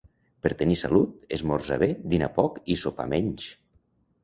Per tenir salut: esmorzar bé, dinar poc i sopar menys.